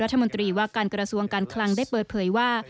รัฐมนตรีว่าการกระทรวงการคลังได้เปิดเผยว่า